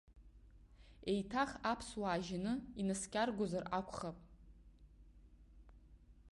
Еиҭах аԥсуаа жьаны инаскьаргозар акәхап.